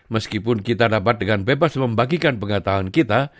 meskipun kita dapat dengan bebas membagikan pengetahuan kita